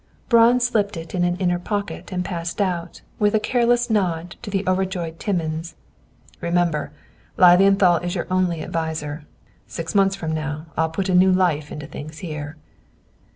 Braun slipped it in an inner pocket, and passed out, with a careless nod to the overjoyed Timmins. "Remember, Lilienthal is your only adviser. Six months from now, I'll put a new life into things here."